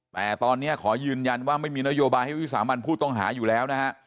แต่ตอนนี้ขอยืนยันว่าไม่มีนโยบายให้วิสามันผู้ต้องหาอยู่แล้วนะฮะ